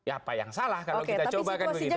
apa yang salah kalau kita coba kan begitu